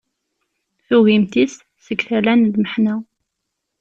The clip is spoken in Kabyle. Tugimt-is seg tala n lmeḥna.